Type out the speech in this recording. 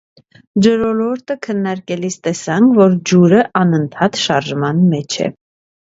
Ջրոլորտը քննարկելիս տեսանք, որ ջուրը անընդհատ շարժման մեջ է։